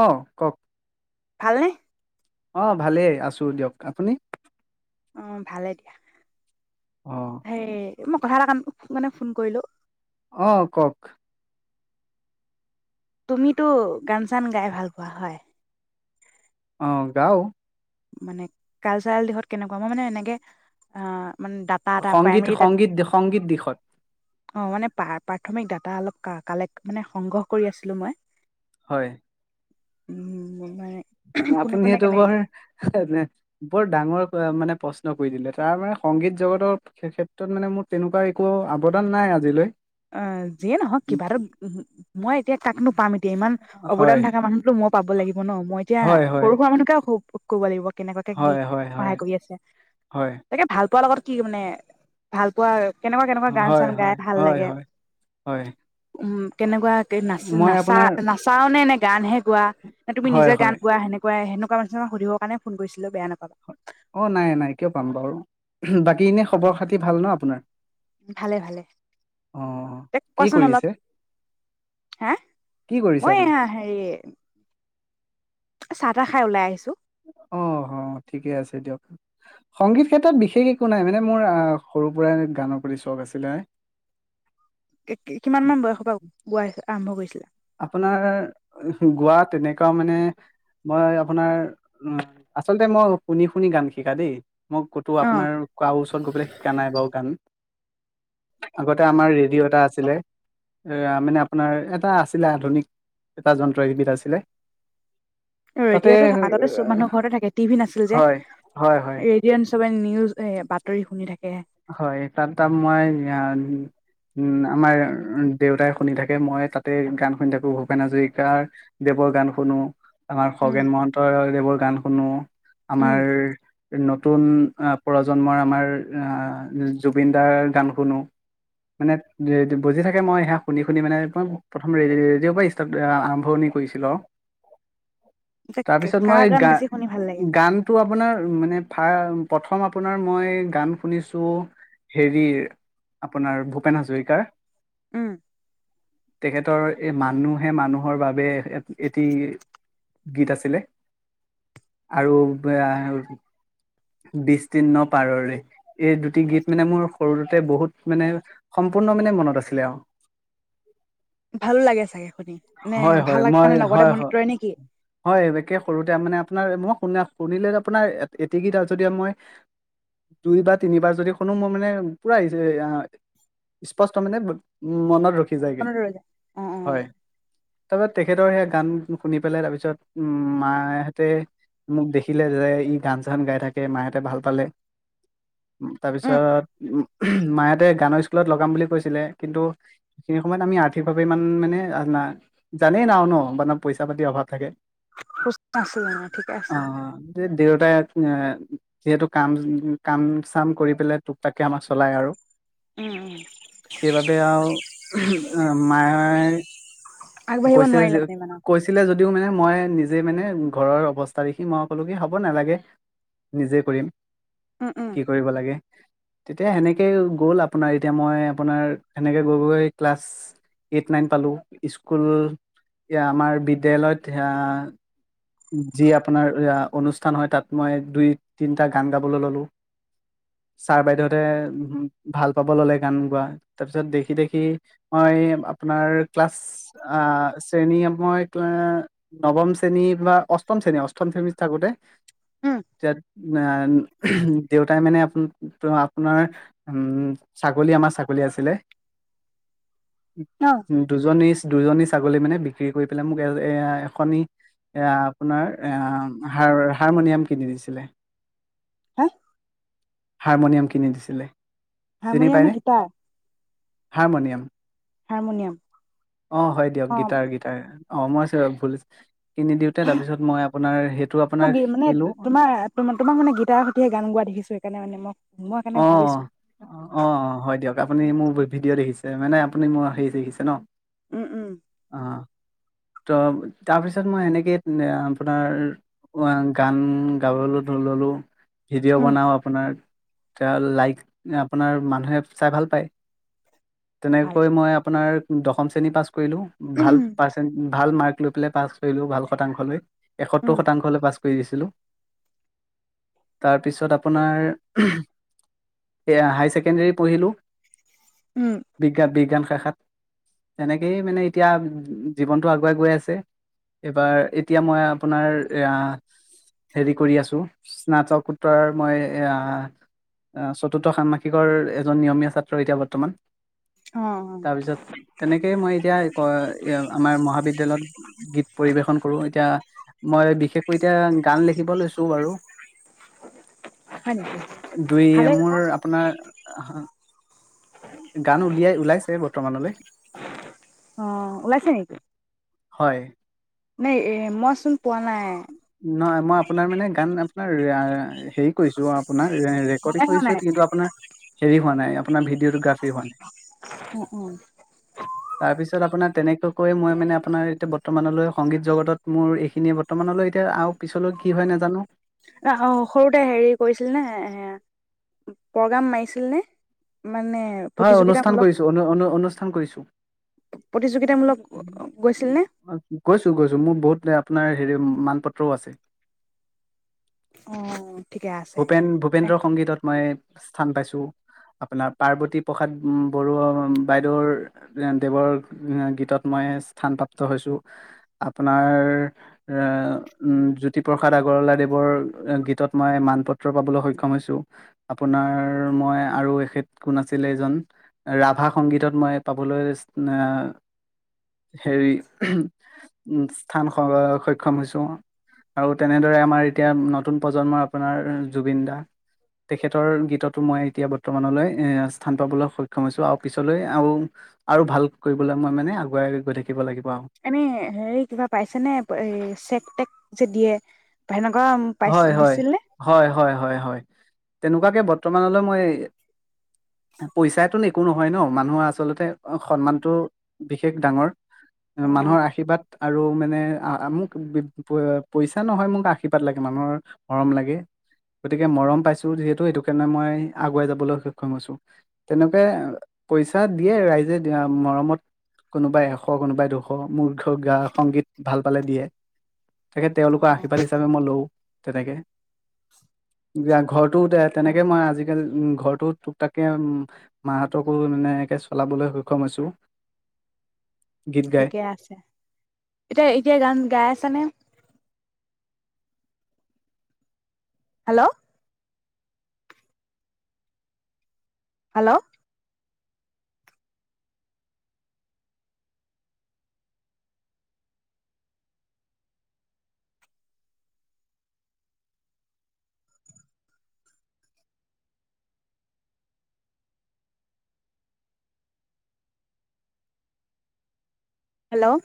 অহ, কওঁক। ভালনে অ', ভালেই আছো দিয়ক, আপুনি? উ ভালে দিয়া অঁ হেই মই কথা এটা কা মানে ফোন কৰিলো অ কওক তুমিতো গান চান গাই ভাল পোৱা হয় অ গাও মানে কালচাৰেল দিশত কেনেকুৱা মই মানে এনেকে অ' মানে ডাটা এটা সংগীত প্ৰাইমাৰী সংগীত সংগীত দিশত অ মানে প্ৰাথমিক ডাটা অলপ কা কালেক মানে সংগ্ৰহ কৰি আছিলো মই হয় উম মানে কোনে আপুনি কোনে সেইটো কেনেক বৰ বৰ ডাঙৰ মানে প্ৰশ্ন কৰি দিলে তাৰ মানে সংগীত জগতৰ ক্ষেত্ৰত মানে মোৰ তেনেকুৱা একো অৱদান নাই আজিলৈ অ যিয়ে নহওক কিবা এটা মই এতিয়া কাকনো পাম এতিয়া ইমান অৱদান হয় থকা মানুহতো মই পাব লাগিব ন মই এতিয়া হয় হয় সৰু সুৰা মানুহকে ক'ব লাগিব কেনেকুৱাকে কি হয় হয় হয় সহায় কৰি আছে, হয় তাকে ভাল পোৱাৰ লগত কি মানে ভাল পোৱা কেনেকুৱা কেনেকুৱা গান হয় চান হয় গাই ভাল হয় লাগে হয় হয় উ কেনেকুৱা মই নাচ-নাচা আপোনাৰ নাচাও নে এনেকে গানহে গোৱা নে তুমি হয় নিজে গান হয় গোৱা সেনেকুৱা সেনেইেকুৱা ক মানুহক সুধিবৰ কাৰণে ফোন কৰিছিলো বেয়া নাপাবা অ নাই নাই কিয় পাম বাৰু বাকী এনে খবৰ খাতি ভাল ন আপোনাৰ ভালে ভালে অঁ ত কি কোৱাচোন অলপ কৰিছে হা কি কৰিছে মই আপুনি? হ হেৰি চাহ তাহ খাই ওলাই আহিছো অহ, হ, ঠিকে আছে দিয়ক। সংগীত ক্ষেত্ৰত বিশেষ একো নাই মানে মোৰ আহ সৰুৰ পৰাই গানৰ প্ৰতি চখ আছিলে। কি-কি কিমান মান বয়সৰ পৰা বোৱাছে? আৰম্ভ কৰিছিলা। আপোনাৰ, গোৱা তেনেকুৱা মানে, মই আপোনাৰ [unintelligible] আচলতে মই, শুনি শুনি গান শিকা দেই। মই ক'তো অ আপোনাৰ, কাৰো ওচৰত গৈ পেলাই শিকা নাই বাৰু গান। আগতে আমাৰ ৰেডিঅ' এটা আছিলে। এ মানে আপোনাৰ এটা আছ [unintelligible] আধুনিক, এটা যন্ত্ৰ ইউনিট আছিলে। তাতে ৰেডিঅ'তটো আগতে সব মানুহৰ ঘৰতে থাকে, টি ভি নাছিল যে। হয়, হয়, হয়। ৰেডিঅ' সবে নি হয়, তাত তা মই [unintelligible] উম, আমাৰ দেউতাই শুনি থাকে, মই তাতে গান শুনি থাকো ভূপেন হাজৰিকাৰ দেৱৰ গান শুনো। আমাৰ উম খগেন মহন্ত দেৱৰ গান শুনো, উম আমাৰ নতুন [unintelligible] প্ৰজন্মৰ আমাৰ আহ জুবিন দাৰ গান শুনো। মানে, [unintelligible] বজি থাকে মই সেয়া শুনি শুনি মানে [unintelligible] প্ৰথম ৰে-ৰেডিঅ'ৰ পৰা ষ্টাৰ্ট আৰম্ভণি কৰিছিলোঁ আৰু। তাৰ পিছত কাৰ মই গান বেছি শুনি ভাল লাগে গা-গানটো আপোনাৰ আৰু মানে ফা প্ৰথম আপ আপোনাৰ মই গান শুনিছো, হেৰিৰ আপোনাৰ ভূপেন হাজৰিকাৰ। উম। তেখেতৰ এ মানুহে মানুহৰ বাবে এক এটি গীত আছিলে আৰু ব বি তিৰ্ণ পাৰৰে, এই দুটি গীত মানে মোৰ সৰুতে বহুত মানে, সম্পূৰ্ণ মানে মনত আছিলে আৰু। ভালো লাগে চাগে শুনি নে হয়, ভাল হয়, লাগে মই, কাৰণে লগতে হয়, হ মনত ৰয় নেকি হয়, একে সৰুতে মানে আপোনাৰ মোক শুনা শুনিলে আপোনাৰ এট এটিকি [unintelligible] মই দুই বা তিনিবাৰ যদি শুনো মই মানে, পুৰা [unintelligible] স্পষ্ট মানে, ম' মনত ৰখি যায়গে পন্ধোৰ হেজাৰ, অ', অ'। হয় [unintelligible] তেখেতৰ সেইয়া গান শুনি পেলাই তাৰ পিছত, উম, মাই হ'তে মোক দেখিলে যে, ই গান চান গাই থাকে মাহঁতে ভাল পালে। উম তাৰপিছত মাই [unintelligible] গানৰ স্কুলত লগাম বুলি কৈছিলে কিন্তু, সেইখিনি সময়ত আমি আৰ্থিকভাৱে ইমান মানে, জানেই না ন মানে পইচা পাতিৰ অভাৱ থাকে। [unintelligible] ঠিকে অ আছিল। দে [unintelligible] যিহেতু কাম, কাম চাম কৰি পেলাই টোপটাককে আমাক চলাই আৰু। উম উম সেইবাবে আৰু, মায়ো আগবাঢ়িব কৈছে নোৱাৰিলে যে, মানে ইমান কৈছিলে যদ দিওঁ মানে মই নিজে মানে, ঘৰৰ অৱস্থা দেখি মই ক'লোঁ কি হ'ব নালাগে, নিজে কৰিম। উম উম কি কৰিব লাগে। তেতিয়া সেনেকে গ'ল আপোনাৰ এতিয়া মই আপোনাৰ, সেনেকে গৈ গৈ ক্লাছ এইট, নাইন পালোঁ। স্ক কুল আমাৰ বিদ্যালয়ত আহ যি আপোনাৰ অহ অনুষ্ঠান হয় তাত মই দুই তিনটা গান গাবলৈ ললোঁ। ছাৰ-বাইদেউহতে ভাল পাব ল'লে গান গোৱা, তাৰ পিছত দেখি দেখি মই আপোনাৰ ক্লাছ আহ শ্ৰেণী মই তে নৱম শ্ৰেণী বা অষ্টম শ্ৰেণী, অষ্টম শ্ৰেণীত থাকোতে উম [unintelligible] মেন, দেউতাই মানে আপোনাক ত' আপোনাৰ উম ছাগলী আমাৰ ছাগলী আছিলে। অ উ দুজনী দুজনী ছাগলী মানে বিক্ৰী কৰি পেলাই মোক এ অহ এখনি- এ আপোনাৰ, আহ, হাৰ-হাৰমনিয়াম কিনি দিছিলে। হা? হাৰমনিয়াম কিনি দিছিলে। চিনি হাৰমনিয়াম নে পায়নে গীটাৰ? হাৰমনিয়াম। হাৰমনিয়াম। অ' হয় দিয়ক অ গীটাৰ গীটাৰ অ' মই আছে ভুল কিনি দিওঁতে তাৰপিছত মই আপোনাৰ সেইটো আপোনাৰ মই মানে শিকিলো তোমাৰ তোমাক মানে গীটাৰ সৈতেহে গান গোৱা দেখিছো। সেই কাৰণে মানে মোক অ' অ' অ' হয় দিয়ক আপুনি মোৰ ভিডিঅ' দেখিছে। মানে আপুনি মোৰ হেৰি দেখিছে ন। উম, উম। অ ত' তাৰপিছত মই এনেকেই আপোনাৰ গান গাবলৈ ল'লো। ভিডিঅ' উম বনাওঁ আপোনাৰ এ লাইক আপোনাৰ মানুহে চাই ভাল পায়। ভাল তেনেকৈ মই আপোনাৰ দশম শ্ৰেণী পাছ কৰিলো। ভাল ৰ্পাচেন্ট ভাল মাৰ্ক লৈ পেলাই পাছ কৰিলোঁ ভাল শতাংশলৈ। এসত্তৰ উম শতাংশ হ'লে পাছ কৰি দিছিলোঁ তাৰপিছত আপোনাৰ এ হায়াৰ ছেকেণ্ডৰী পঢ়িলো। উম বিজ্ঞান, বিজ্ঞান। শাখাত তেনেকেইয়ে মানে এতিয়া জীৱনটো আগুৱাই গৈ আছে। এইবাৰ এতিয়া মই আপোনাৰ অহ হেৰি কৰি আছোঁ, স্নাতকোত্তৰ মই আহ আহ চতুৰ্থ ষান্মাসিকৰ এজন নিয়মীয়া ছাত্ৰ এতিয়া বৰ্তমান। অ তাৰ পিছত তেনেকেই মই এতিয়া ক, য়া, আমাৰ মহাবিদ্যালয়ত গীত পৰিবেশন কৰোঁ এতিয়া। মই বিশেষকৈ এতিয়া গান লিখিব লৈছো বাৰু অ হয় নেকি দুই ভালে কথা মোৰ আপোনাৰ গান উলিয়াই ওলাইছে বৰ্তমানলৈ অ হয় নাই এ মইচোন পোৱা নাই নহয় মই আপোনাৰ মানে গান আপোনাৰ হেৰি ছো আপোনাৰ ৰেকৰ্ডি মনে হোৱা কৰিছো নাই কিন্তু আপোনাৰ হেৰি হোৱা নাই আোন ভিডঅ'টোা [unintelligible] অ অ তাৰ পিছত আপোনাৰ তেনেকুৱাকৈ মই মানে আপোনাৰ এতিয়া বত বৰ্তমানলৈ সংগীত জগতত মোৰ এইখিনিয়ে বৰ্তমানলৈ এতিয়া আৰু পিছলৈ কি হয় নাজানো অ সৰুতে হেৰি কৰিছিল নে এ প্ৰগ্ৰাম মাৰিছিল নে মানে হয় অনুষ্ঠান প্ৰতিযোগিতামূলক কৰিছো অনু অনু অনুষ্ঠান কৰিছো প্ৰতিযোগিতামূলক গৈছিল নে গৈছোঁ গৈছোঁ, মোৰ বহুত এয়া আপোনাৰ হেৰি মানপত্ৰও আছে অ ঠিকে আছে ভূপেন ভূপেন্দ্ৰ সংগীতত মই স্থান পাইছোঁ, আপোনাৰ পাৰ্বতী প্ৰসাদ বডৰুোৱা বাইদেউৰ দেৱৰ গীতত মই স্থান প্ৰাপ্ত হৈছোঁ আপোনাৰ জ্যোতিপ্ৰসাদ আগৰৱালাদেৱৰ গীতত মই মানপত্ৰ পাবলৈ সক্ষম হৈছোঁ আপোনাৰ মই আৰু এখেত ক আছিলে এজন ৰাভা সংগীতত মই পাবলৈ না হেৰি স্থান স-সক্ষম হৈছোঁ আৰু তেনেদৰে আমাৰ এতিয়া নতুন প্ৰজন্মৰ আপোনাৰ জুবিন দা তেখেতৰ গীততো মই এতিয়া বৰ্তমানলৈ এহ স্থান পাবলৈ সক্ষম হৈছো আৰু পিছলৈ আৰু আৰু ভাল কৰিবলৈ মই মানে আগুৱাই গৈ থাকিব লাগিব আৰু এনেই হেৰি কিবা পাইছে নে এই চেক-তেক যে দিয়ে। পাই ন হয় হয় হয় হয় হয় হয় তেনেকুৱাকে তমানলৈ মই- পইচাটো নে একো নহয় ন মানুহৰ আচলতে সন্মানতটো বিশেষ ডাঙৰ মানুহৰ আশীৰ্বাদ আৰু মানে মোক পইচা নহয় মোক আশীৰ বাদ লাগে, মানুহৰ মৰম লাগে। গতিকে মৰম পাইছো যিহেতু সেইটো কাৰণে মই আগুৱাই যাবলৈ সক্ষম হৈছোঁ। তেনেকে পইচা দিয়ে ৰাইজে দিয়া মৰমত কোনোবাই এশ কোনোবাই দুশ মোৰ গা সংগীত ভাল পালে দিয়ে তাকে তেওঁলোকৰ আশীৰ্বাদ দিছে ঘৰটো তেনেকে মই আজিকালি ঘৰটো ুপটাকে মাহঁতকো মানে একে চলাবলৈ সক্ষম হৈছো গীত গাই ঠিকে আছে এতিয়া এতিয়া গান গাই আছে [unintelligible] হেল্ল'। হেল্ল'। হেল্ল'।